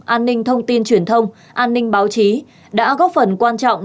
an ninh thông tin truyền thông an ninh báo chí đã góp phần quan trọng